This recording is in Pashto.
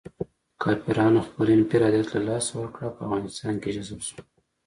کافرانو خپل انفرادیت له لاسه ورکړ او په افغانستان کې جذب شول.